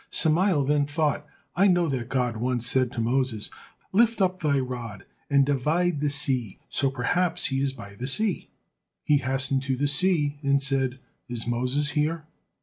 Samael then thought: "I know that God once said to Moses, 'Lift up thy rod and divide the sea,' so perhaps he is by the sea." He hastened to the sea and said, "Is Moses here?"